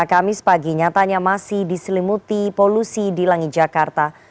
kami sepagi nyatanya masih diselimuti polusi di langi jakarta